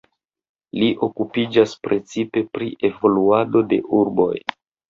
Li okupiĝas precipe pri evoluado de urboj.